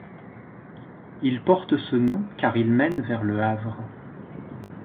Il porte ce nom car il mène vers Le Havre.